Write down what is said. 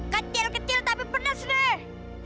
kecil kecil tapi pedas nih